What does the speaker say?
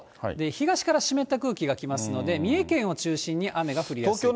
東から湿った空気が来ますので、三重県を中心に雨が降りやすい。